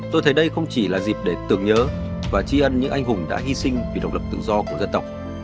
tôi thấy đây không chỉ là dịp để tưởng nhớ và chi ân những anh hùng đã hy sinh vì độc lập tự do của dân tộc